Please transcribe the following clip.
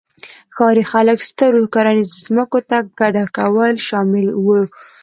ښاري خلک سترو کرنیزو ځمکو ته کډه کول شامل وو